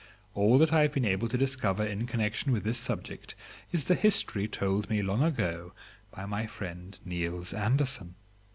All that I have been able to discover in connection with this subject is the history told me long ago by my friend Niels Andersen.